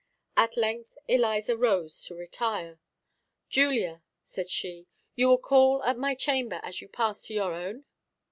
At length Eliza rose to retire. "Julia," said she, "you will call at my chamber as you pass to your own?"